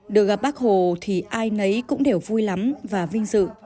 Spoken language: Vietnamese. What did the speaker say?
được gặp bác hồ thì ai nấy cũng đều vui lắm và vinh dự